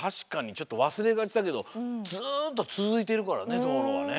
ちょっとわすれがちだけどずっとつづいてるからねどうろはね。